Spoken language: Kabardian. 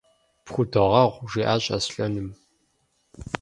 – Пхудогъэгъу, – жиӀащ Аслъэным.